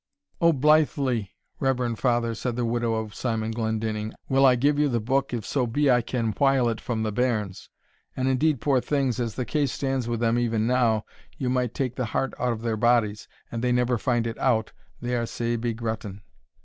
"Oh, blithely, reverend father," said the widow of Simon Glendinning, "will I give you the book, if so be I can while it from the bairns; and indeed, poor things, as the case stands with them even now, you might take the heart out of their bodies, and they never find it out, they are sae begrutten."